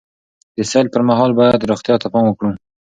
د سیل پر مهال باید روغتیا ته پام وکړو.